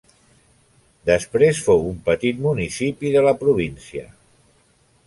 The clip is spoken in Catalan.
Després fou un petit municipi de la província.